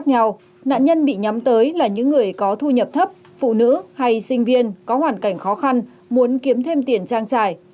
nạn nhân bị nhắm tới là những người có thu nhập thấp phụ nữ hay sinh viên có hoàn cảnh khó khăn muốn kiếm thêm tiền trang trải